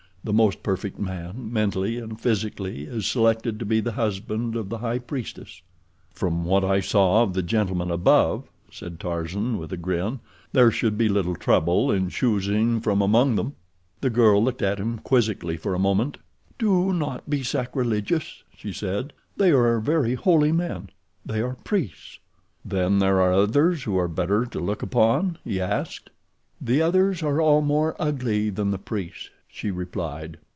The most perfect man, mentally and physically, is selected to be the husband of the high priestess." "From what I saw of the gentlemen above," said Tarzan, with a grin, "there should be little trouble in choosing from among them." The girl looked at him quizzically for a moment. "Do not be sacrilegious," she said. "They are very holy men—they are priests." "Then there are others who are better to look upon?" he asked. "The others are all more ugly than the priests," she replied.